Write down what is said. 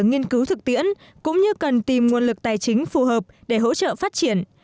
nghiên cứu thực tiễn cũng như cần tìm nguồn lực tài chính phù hợp để hỗ trợ phát triển